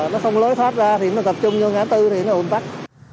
nó không lối thoát ra thì nó tập trung vô ngã tư thì nó ủng tắc